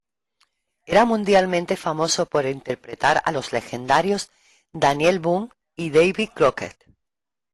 Era mundialmente famoso por interpretar a los legendarios Daniel Boone y Davy Crockett.